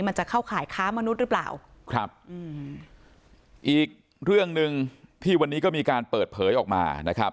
มันจะเข้าข่ายค้ามนุษย์หรือเปล่าครับอืมอีกเรื่องหนึ่งที่วันนี้ก็มีการเปิดเผยออกมานะครับ